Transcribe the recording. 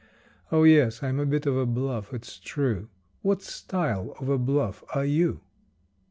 Oh, yes, I'm a bit of a bluff, it's true; What style of a bluff are you?